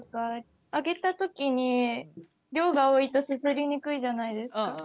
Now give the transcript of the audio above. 上げた時に量が多いとすすりにくいじゃないですか。